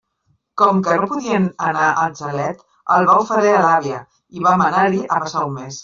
Com que no podien anar al xalet, el va oferir a l'àvia, i vam anar-hi a passar un mes.